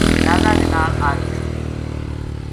جنازا کے نال آ گیا